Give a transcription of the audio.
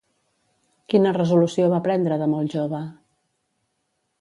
Quina resolució va prendre de molt jove?